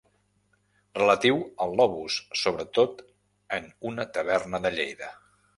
Relatiu al lobus, sobretot en una taverna de Lleida.